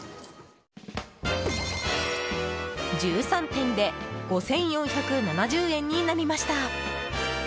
１３点で５４７０円になりました。